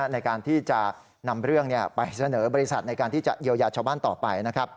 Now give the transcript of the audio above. ในการที่จะนำเรื่องไปเสนอบริษัทในการที่จะเยียวยาชาวบ้านต่อไปนะครับ